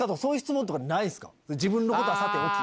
自分のことはさておき。